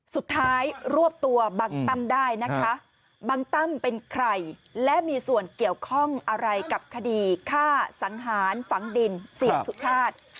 สุดท้ายรวบตัวบังตั้มได้นะคะบังตั้มเป็นใครและมีส่วนเกี่ยวข้องอะไรกับคดีฆ่าสังหารฝังดินเสียสุชาติ